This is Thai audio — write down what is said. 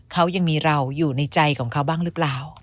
เขายังมีเราอยู่ในใจของเขาบ้างหรือเปล่า